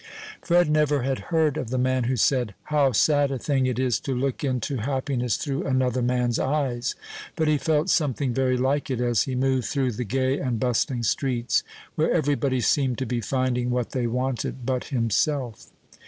Fred never had heard of the man who said, "How sad a thing it is to look into happiness through another man's eyes!" but he felt something very like it as he moved through the gay and bustling streets, where every body seemed to be finding what they wanted but himself.